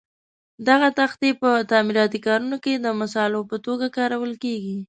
دغه تختې په تعمیراتي کارونو کې د مسالو په توګه کارول کېږي.